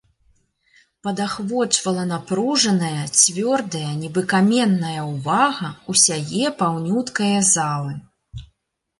Падахвочвала напружаная, цвёрдая, нібы каменная, увага ўсяе паўнюткае залы.